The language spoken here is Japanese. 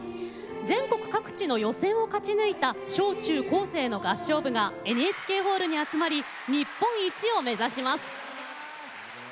全国各地の予選を勝ち抜いた小中高生の合唱部がＮＨＫホールに集まり日本一を目指します。